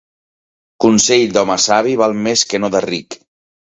Consell d'home savi val més que no de ric.